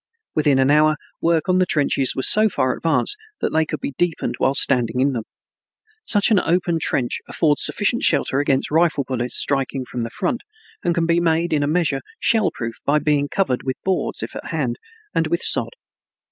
Within an hour work on the trenches was so far advanced that they could be deepened while standing in them. Such an open trench affords sufficient shelter against rifle bullets striking from the front and can be made in a measure shell proof by being covered with boards, if at hand, and with sod.